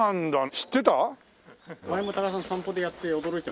知ってた？